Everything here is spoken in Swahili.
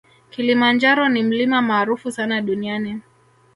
Kilimanjaro ni mlima maarufu sana duniani